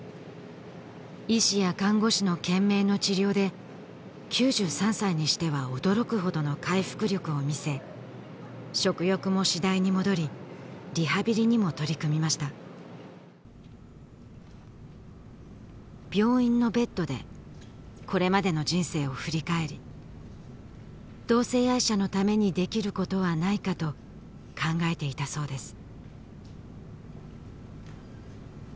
医師や看護師の懸命の治療で９３歳にしては驚くほどの回復力をみせ食欲も次第に戻りリハビリにも取り組みました病院のベッドでこれまでの人生を振り返り同性愛者のためにできることはないかと考えていたそうです